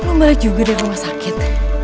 lo balik juga dari rumah sakit